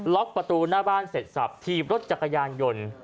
ประตูหน้าบ้านเสร็จสับถีบรถจักรยานยนต์